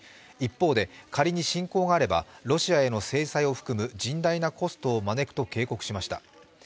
一方で、仮に侵攻があればロシアへの制裁を含む甚大なコストを招くと警告しました。